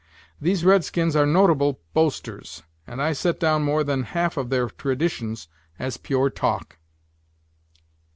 These red skins are notable boasters, and I set down more than half of their traditions as pure talk."